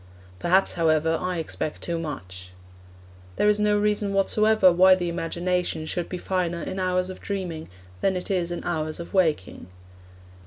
Perhaps, however, I expect too much. There is no reason whatsoever why the imagination should be finer in hours of dreaming than in its hours of waking.